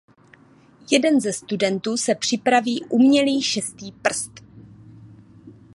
Jeden ze studentů si připraví umělý šestý prst.